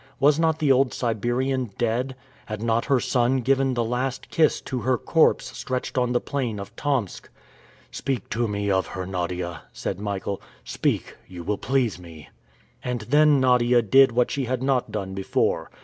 Was not the old Siberian dead? Had not her son given the last kiss to her corpse stretched on the plain of Tomsk? "Speak to me of her, Nadia," said Michael. "Speak you will please me." And then Nadia did what she had not done before.